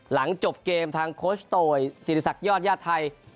หลังจบเกมทางโคชโตยศิริษักยอดญาติไทย